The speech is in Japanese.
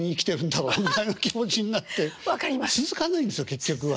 続かないんですよ結局は。